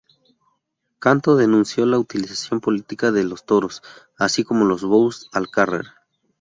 Cantó denunció la utilización política de los toros, así como los "bous al carrer".